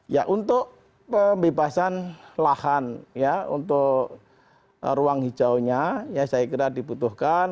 ya untuk pembebasan lahan ya untuk ruang hijaunya ya saya kira dibutuhkan